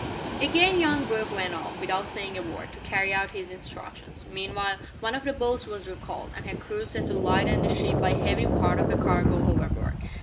Again young Brooke went off, without saying a word, to carry out his instructions. Meanwhile one of the boats was recalled, and her crew set to lighten the ship by heaving part of the cargo overboard.